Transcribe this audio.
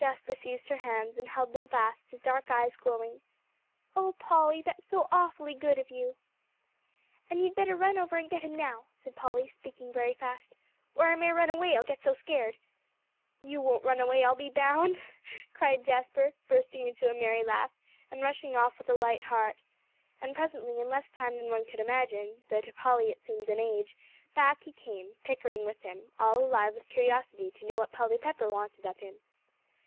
Jasper seized her hands, and held them fast, his dark eyes glowing. "Oh Polly, that's so awfully good of you!" "And you better run right over, and get him now," said Polly, speaking very fast, "or I may run away, I shall get so scared." "You won't run away, I'll be bound," cried Jasper, bursting into a merry laugh, and rushing off with a light heart. And presently, in less time than one could imagine, though to Polly it seemed an age, back he came, Pickering with him, all alive with curiosity to know what Polly Pepper wanted of him.